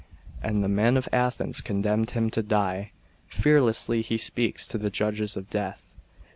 And the men of Athens condemned him to die. Fearlessly he speaks to his judges of death.